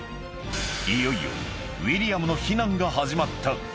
いよいよウィリアムの避難が始まった。